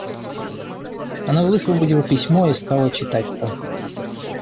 Она высвободила письмо и стала читать с конца.